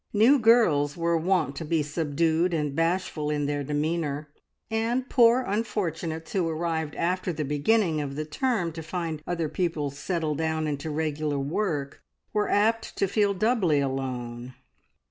New girls were wont to be subdued and bashful in their demeanour, and poor unfortunates who arrived after the beginning of the term to find other pupils settled down into regular work, were apt to feel doubly alone.